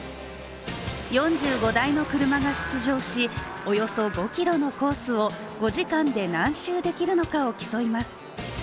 ４５台の車が出場しおよそ５ｋｍのコースを５時間で何周できるのかを競います。